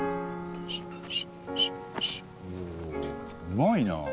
うまいな！